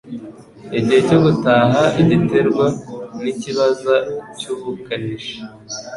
Igihe cyo gutaha giterwa nikibazo cyubukanishi.